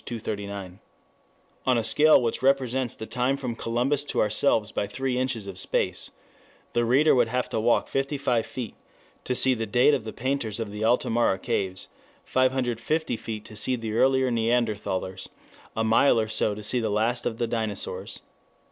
239.] On a scale which represents the time from Columbus to ourselves by three inches of space, the reader would have to walk 55 feet to see the date of the painters of the Altamara caves, 550 feet to see the earlier Neanderthalers, a mile or so to the last of the dinosaurs.